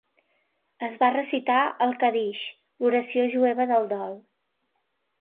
Es va recitar el Kaddish, l'oració jueva del dol.